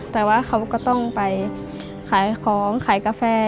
แต่ว่าเขาก็ต้องไปขายของขายกาแฟ